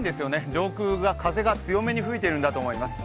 上空が風が強めに吹いているんだと思います。